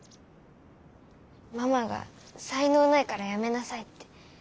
ママが「才能ないからやめなさい」って。